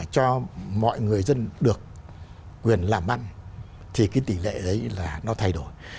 cho mọi người dân được quyền làm ăn thì cái tỷ lệ đấy là nó thay đổi